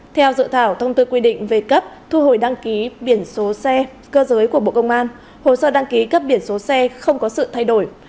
theo dự thảo thông tư quy định về cấp thu hồi đăng ký biển số xe cơ giới của bộ công an hồ sơ đăng ký cấp biển số xe không có sự thay đổi